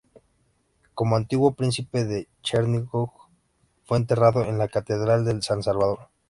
Como antiguo príncipe de Chernígov, fue enterrado en la Catedral del San Salvador.